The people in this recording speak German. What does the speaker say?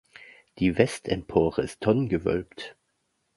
Die Westempore ist tonnengewölbt.